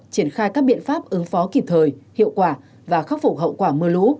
triển khai các biện pháp ứng phó kịp thời hiệu quả và khắc phục hậu quả mưa lũ